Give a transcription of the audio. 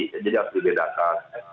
jadi harus dibedakan